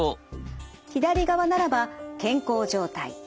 左側ならば健康状態。